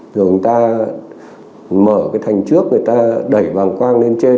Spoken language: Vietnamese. rồi người ta mở cái thành trước người ta đẩy bằng quang lên trên